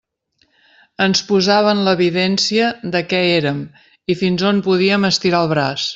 Ens posava en l'evidència de què érem i fins on podíem estirar el braç.